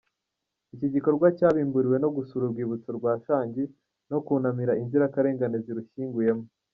Iki gikorwa cyabimburiwe no gusura urwibutso rwa Shangi no kunamira inzirakarengane zirushyinguyemo.